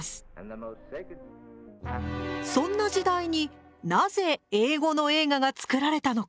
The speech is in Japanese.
そんな時代になぜ英語の映画が作られたのか。